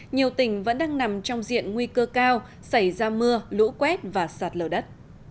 nhiều tỉnh vẫn đang nằm trong diện nguy cơ cao xảy ra mưa lũ quét và sạt lở đất